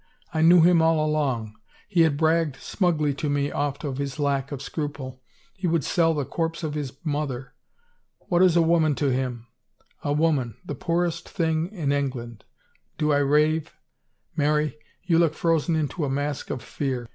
I knew him all along. He had bragged smugly to me oft of his lack of scruple. He would sell the corpse of his mother. What is a woman to him? A woman — the poorest thing in England — Do I rave ? Mary, you look frozen into a mask of fear.